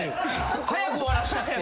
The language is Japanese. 早く終わらせたくて。